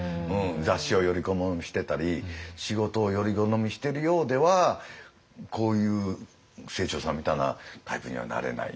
雑誌をより好みしてたり仕事をより好みしてるようではこういう清張さんみたいなタイプにはなれない。